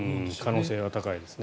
可能性は高いですね。